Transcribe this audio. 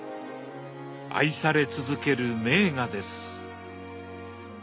愛され続ける名画です。